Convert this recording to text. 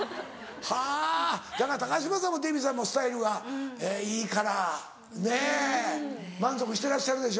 はぁだから高島さんもデヴィさんもスタイルがいいからねぇ満足してらっしゃるでしょ？